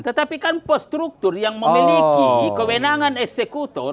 tetapi kan postruktur yang memiliki kewenangan eksekutor